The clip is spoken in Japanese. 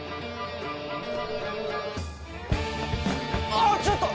あっちょっと！